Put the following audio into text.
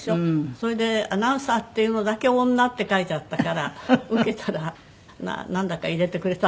それでアナウンサーっていうのだけ「女」って書いてあったから受けたらなんだか入れてくれた。